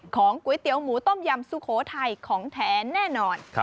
ก๋วยเตี๋ยวหมูต้มยำสุโขทัยของแท้แน่นอน